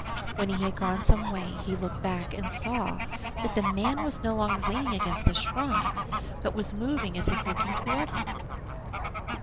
When he had gone some way, he looked back, and saw that the man was no longer leaning against the shrine, but was moving as if looking towards him.